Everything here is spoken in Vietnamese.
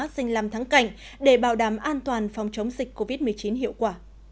danh làm thắng cảnh để bảo đảm an toàn của các dịch vụ